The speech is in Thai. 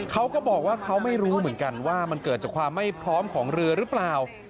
เขาก็บอกว่าเขาไม่รู้เหมือนกันว่ามันเกิดจากความไม่พร้อมของเรือหรือเปล่า